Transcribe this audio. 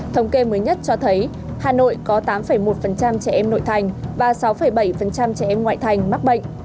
thống kê mới nhất cho thấy hà nội có tám một trẻ em nội thành và sáu bảy trẻ em ngoại thành mắc bệnh